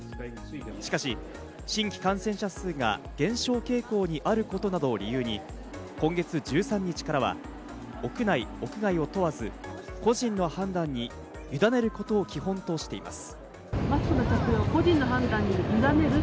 しかし新規感染者数が減少傾向にあることなどを理由に、今月１３日からは屋内、屋外を問わず、個人の判断にゆだねることを基本としています。